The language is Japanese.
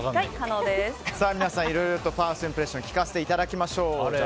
皆さん、いろいろとファーストインプレッション聞かせていただきましょう。